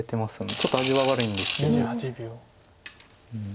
ちょっと味は悪いんですけど。